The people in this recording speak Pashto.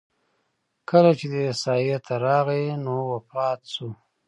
کله چې دې ساحې ته راغی نو وفات شو.